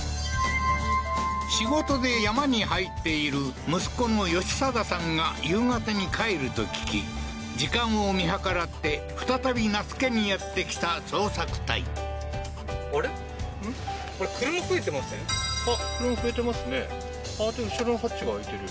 仕事で山に入っている息子のヨシサダさんが夕方に帰ると聞き時間を見計らって再び那須家にやって来た捜索隊あっ車増えてますね